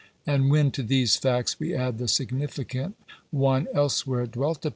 And when to these facts we add the significant one elsewhere dwelt upon (pp.